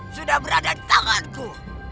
sudah berada di tanganku